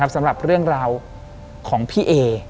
สำหรับเรื่องราวของพี่เอ